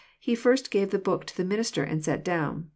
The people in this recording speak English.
He first *' gave the b<>ok to the minister, and sat down."